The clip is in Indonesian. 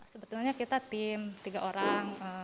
sebetulnya kita tim tiga orang